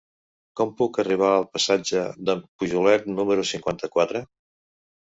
Com puc arribar al passatge d'en Pujolet número cinquanta-quatre?